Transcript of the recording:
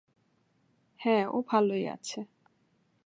হ্যাঁ, ও ভালোই আছে।